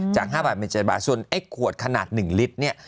จาก๕บาทเป็น๗บาทส่วนไอ้ขวดขนาด๑ลิตรเนี่ย